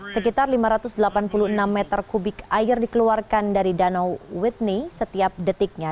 sekitar lima ratus delapan puluh enam meter kubik air dikeluarkan dari danau withney setiap detiknya